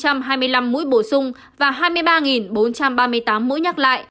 năm hai mươi năm mũi bổ sung và hai mươi ba bốn trăm ba mươi tám mũi nhắc lại